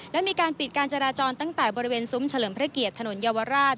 และมีการปิดการจราจรตั้งแต่บริเวณซุ้มเฉลิมพระเกียรติถนนเยาวราช